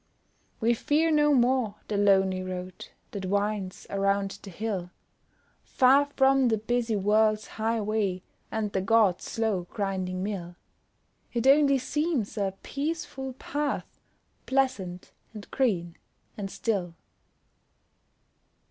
We fear no more the lonely road That winds around the hill; Far from the busy world's highway And the gods' slow grinding mill; It only seems a peaceful path, Pleasant, and green, and still.